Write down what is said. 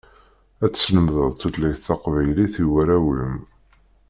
Ad teslemdeḍ tutlayt taqbaylit i warraw-im.